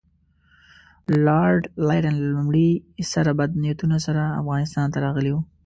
لارډ لیټن له لومړي سره بد نیتونو سره افغانستان ته راغلی وو.